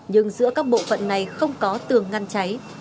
nhưng giữa các bộ phận này không có tường ngăn cháy